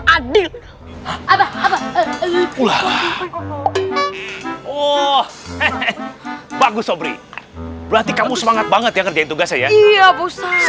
adil apa apa ulah oh bagus obri berarti kamu semangat banget ya kerja tugas saya iya bisa